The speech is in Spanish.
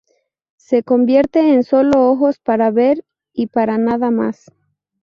Se convierte en solo ojos para ver y para nada más.